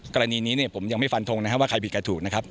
กรณีนี้ผมยังไม่ฟันทงว่าใครผิดใครถูก